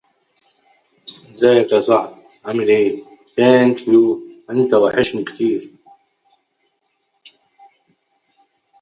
He was succeeded by Henry Reginald Annan.